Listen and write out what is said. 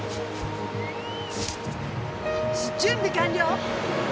準備完了！